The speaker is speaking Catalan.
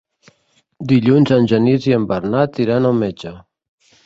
Dilluns en Genís i en Bernat iran al metge.